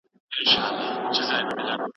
آیا ستاسو په کورنۍ کې د میراثي ناروغیو تاریخ شته؟